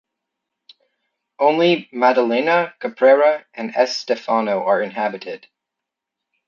Only Maddalena, Caprera and S. Stefano are inhabited.